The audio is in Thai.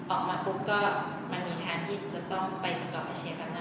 ออกมาปุ๊บก็มันมีทางที่จะต้องไปประกอบอเชียกรรม